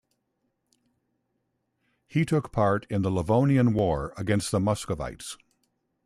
He took part in the Livonian War against Muscovites.